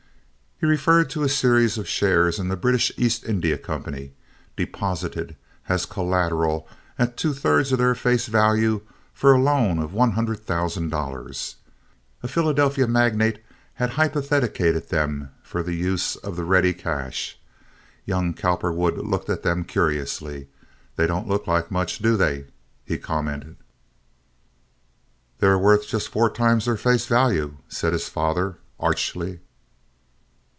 He referred to a series of shares in the British East India Company, deposited as collateral at two thirds of their face value for a loan of one hundred thousand dollars. A Philadelphia magnate had hypothecated them for the use of the ready cash. Young Cowperwood looked at them curiously. "They don't look like much, do they?" he commented. "They are worth just four times their face value," said his father, archly.